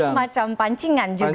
atau semacam pancingan juga